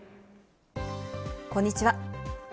こんにちは。